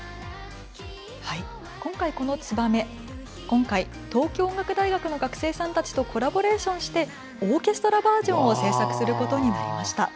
この「ツバメ」、今回東京音楽大学の学生さんたちとコラボレーションしてオーケストラバージョンを制作することになりました。